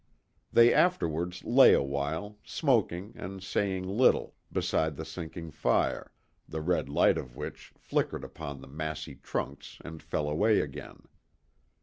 They afterwards lay a while, smoking and saying little, beside the sinking fire, the red light of which flickered upon the massy trunks and fell away again.